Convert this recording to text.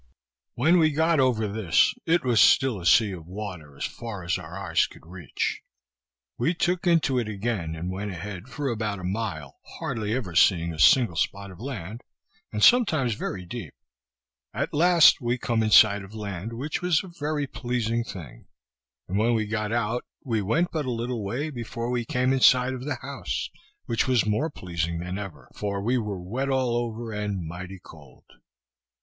When we got over this, it was still a sea of water as far as our eyes could reach. We took into it again, and went ahead, for about a mile, hardly ever seeing a single spot of land, and sometimes very deep. At last we come in sight of land, which was a very pleasing thing; and when we got out, we went but a little way, before we came in sight of the house, which was more pleasing than ever; for we were wet all over, and mighty cold.